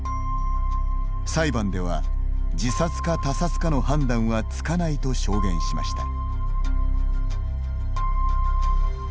裁判では自殺か他殺かの判断はつかないと証言しました。